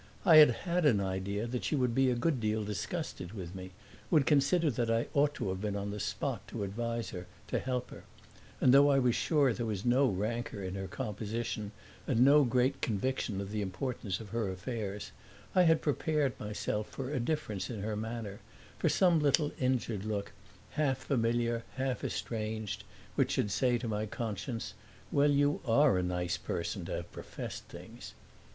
I had had an idea that she would be a good deal disgusted with me would consider that I ought to have been on the spot to advise her, to help her; and, though I was sure there was no rancor in her composition and no great conviction of the importance of her affairs, I had prepared myself for a difference in her manner, for some little injured look, half familiar, half estranged, which should say to my conscience, "Well, you are a nice person to have professed things!"